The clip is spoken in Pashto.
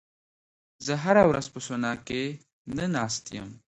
زه هره ورځ په سونا کې نه ناست یم.